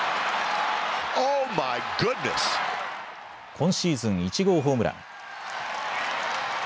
今シーズン１号ホームラン。